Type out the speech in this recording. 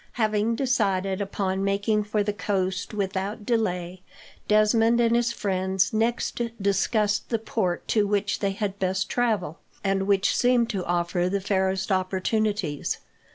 Having decided upon making for the coast without delay, Desmond and his friends next discussed the port to which they had best travel, and which seemed to offer the fairest opportunities.